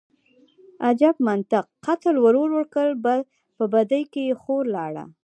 _اجب منطق، قتل ورور وکړ، په بدۍ کې يې خور لاړه.